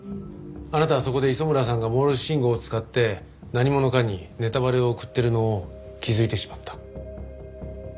あなたはそこで磯村さんがモールス信号を使って何者かにネタバレを送っているのを気づいてしまった。